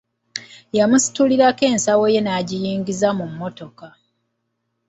Yamusitulirako ensawo ye n'agiyingiza mu mmotoka.